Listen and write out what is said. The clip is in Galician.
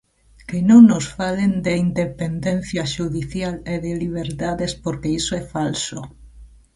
Que non nos falen de independencia xudicial e de liberdades porque iso é falso.